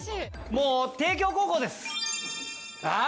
もう帝京高校です。